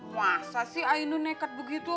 masa sih ainun nekat begitu